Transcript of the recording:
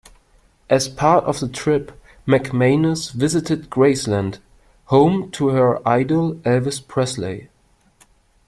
As part of the trip, McManus visited Graceland, home to her idol Elvis Presley.